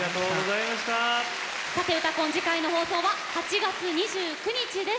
さて「うたコン」次回の放送は８月２９日です。